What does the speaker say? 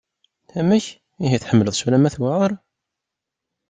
Amek! Ihi tḥemmleḍ-tt ulamma tuɛer?